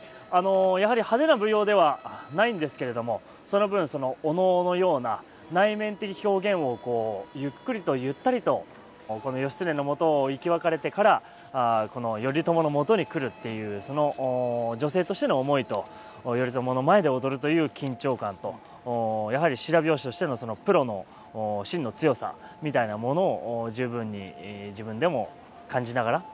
やはり派手な舞踊ではないんですけれどもその分お能のような内面的表現をこうゆっくりとゆったりとこの義経のもとを生き別れてからこの頼朝のもとに来るっていうその女性としての思いと頼朝の前で踊るという緊張感とやはり白拍子としてのプロのしんの強さみたいなものを十分に自分でも感じながら。